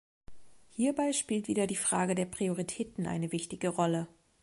Hierbei spielt wieder die Frage der Prioritäten eine wichtige Rolle.